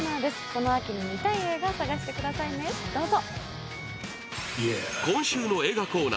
この秋に見たい映画を探してくださいね、どうぞ。